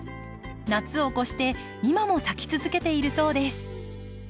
夏を越して今も咲き続けているそうです。